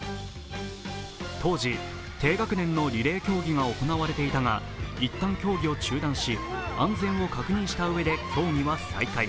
当時、低学年のリレー競技が行われていたが、いった、競技を中断し安全を確認したうえで競技は再開。